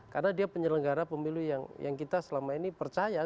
karena dia penyelenggara pemilu yang kita selama ini percaya